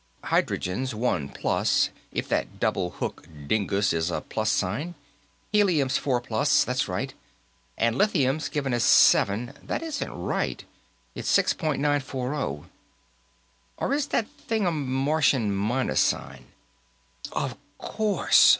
Hydrogen's one plus, if that double hook dingus is a plus sign; Helium's four plus, that's right. And lithium's given as seven, that isn't right. It's six point nine four oh. Or is that thing a Martian minus sign?" "Of course!